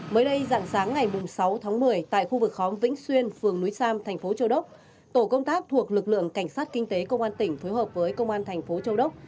mới đây dạng sáng ngày sáu tháng một mươi tại khu vực khóm vĩnh xuyên phường núi sam thành phố châu đốc tổ công tác thuộc lực lượng cảnh sát kinh tế công an tỉnh phối hợp với công an thành phố châu đốc